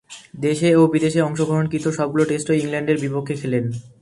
দেশে ও বিদেশে অংশগ্রহণকৃত সবগুলো টেস্টই ইংল্যান্ডের বিপক্ষে খেলেন।